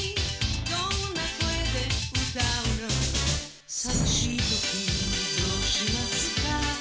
「どんな声で歌うの」「さみしいときどうしますか」